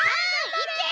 いけ！